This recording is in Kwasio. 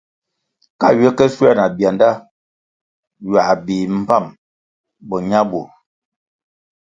Ka ywe ke shuoē na byanda, ywā bih mbpám bo ñabur.